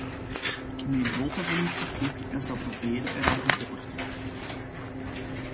Ik neem nota van uw verzoek en zal proberen eraan gevolg te geven.